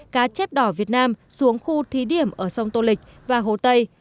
cá chép đỏ việt nam xuống khu thí điểm ở sông tô lịch và hồ tây